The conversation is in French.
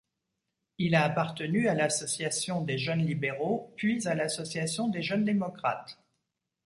Il a appartenu à l'Association des Jeunes Libéraux puis à l'Association des Jeunes Démocrates.